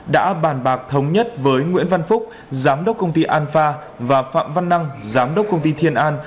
đã bàn bạc thống nhất với nguyễn văn phúc giám đốc công ty an pha và phạm văn năng giám đốc công ty thiên an